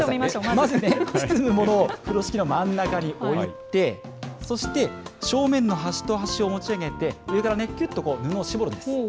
まず包むものを風呂敷の真ん中に置いて、そして正面の端と端を持ち上げて、上からきゅっと布を絞るんです。